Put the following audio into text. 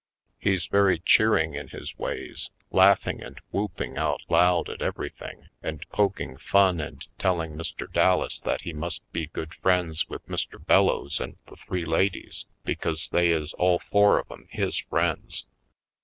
He's very cheering in Manhattan Isle 59 his ways; laughing and whooping out loud at everything and poking fun and telling Mr. Dallas that he must be good friends with Mr. Bellows and the three ladies be cause they is all four of 'em his friends.